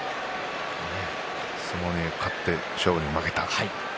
相撲に勝って勝負に負けた。